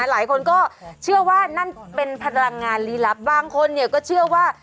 หลายคนก็เชื่อว่านั่นเป็นพลังงานลีลับบางคนก็เชื่อว่า